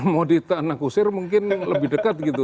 mau di anakusir mungkin lebih dekat gitu